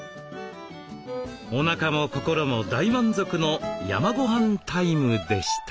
おなかも心も大満足の山ごはんタイムでした。